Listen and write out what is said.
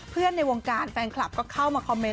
ในวงการแฟนคลับก็เข้ามาคอมเมนต